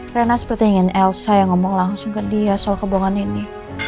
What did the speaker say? rena seperti ingin elsa yang ngomong langsung ke dia soal kebohongan ini